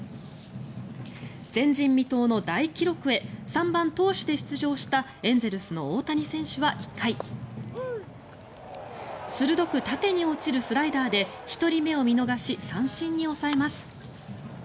前人未到の大記録へ３番投手で出場したエンゼルスの大谷選手は１回鋭く縦に落ちるスライダーで１人目を見逃し三振に抑えます。